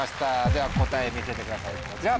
では答え見せてくださいこちら。